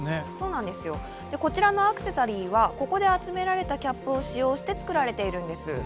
こちらのアクセサリーはここで集められたキャップを使用して作られているんです。